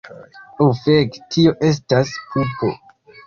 Ho fek, tio estas pupo.